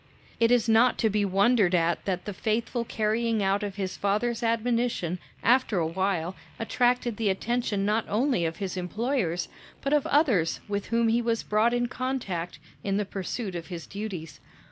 It is not to be wondered at that the faithful carrying out of his father's admonition after a while attracted the attention not only of his employers, but of others with whom he was brought in contact in the pursuit of his duties.